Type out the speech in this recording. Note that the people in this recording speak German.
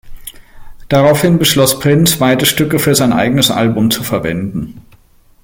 Daraufhin beschloss Prince, beide Stücke für sein eigenes Album zu verwenden.